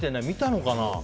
見たのかな？